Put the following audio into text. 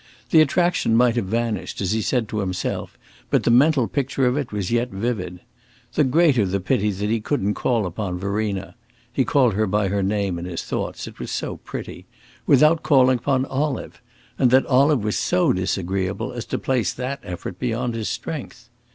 The attraction might have vanished, as he said to himself, but the mental picture of it was yet vivid. The greater the pity that he couldn't call upon Verena (he called her by her name in his thoughts, it was so pretty) without calling upon Olive, and that Olive was so disagreeable as to place that effort beyond his strength.